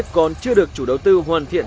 còn chưa được chủ đầu tư hoàn thiện